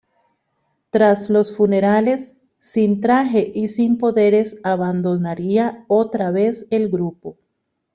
Tras los funerales, sin traje y sin poderes abandonaría otra vez el grupo.